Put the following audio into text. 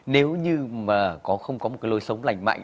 nếu như mà không có một cái lối sống lành mạnh